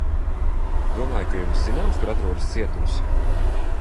Domāju, ka jums zināms, kur atrodas cietums?